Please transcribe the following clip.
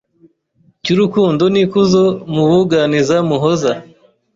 Cy'urukundo n'ikuzo Mubuganiza muhoza